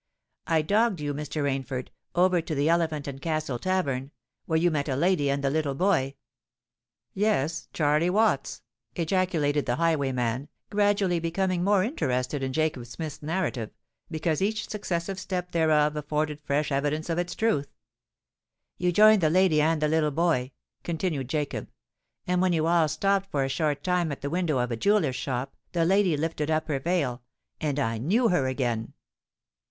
I dogged you, Mr. Rainford, over to the Elephant and Castle Tavern, where you met a lady and the little boy——" "Yes—Charley Watts!" ejaculated the highwayman, gradually becoming more interested in Jacob Smith's narrative, because each successive step thereof afforded fresh evidence of its truth. "You joined the lady and the little boy," continued Jacob; "and when you all stopped for a short time at the window of a jeweller's shop, the lady lifted up her veil—and I knew her again."